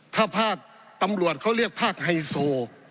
ถ้าภาคตำรวจเขาเรียกภาคไฮโซ